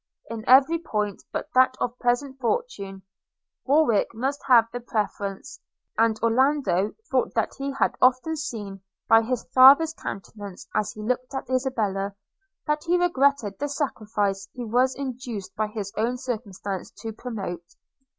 In every point, but that of present fortune, Warwick must have the preference; and Orlando thought that he had often seen, by his father's countenance as he looked at Isabella, that he regretted the sacrifice he was induced by his own circumstances to promote.